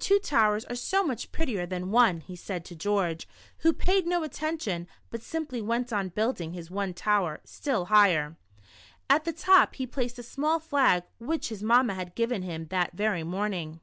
Two towers are so much prettier than one," he said to George, who paid no attention, but simply went on building his one tower still higher. At the top he placed a small flag which his mamma had given him that very morning.